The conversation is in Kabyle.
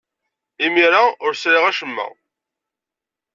Imir-a, ur sriɣ acemma.